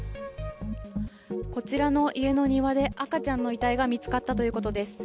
こちらの家の庭で赤ちゃんの遺体が見つかったということです。